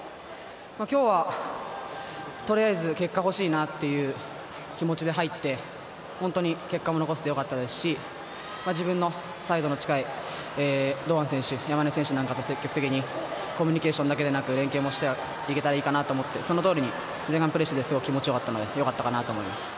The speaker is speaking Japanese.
今日はとりあえず結果、欲しいなという気持ちで入ってホントに結果も残せてよかったですし、自分のサイドの近い堂安選手、山根選手と積極的にコミュニケーションだけじゃなくて、連係もしていければいいかなと思ったのでそのとおりに前半プレーしていてすごく気持ちよかったのでよかったかなと思います。